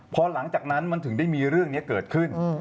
พอหลังจากนั้นมันถึงได้มีเรื่องนี้เกิดขึ้น